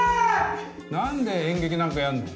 何で演劇なんかやんの？